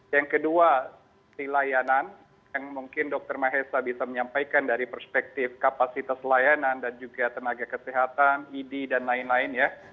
yang kedua di layanan yang mungkin dokter mahesa bisa menyampaikan dari perspektif kapasitas layanan dan juga tenaga kesehatan idi dan lain lain ya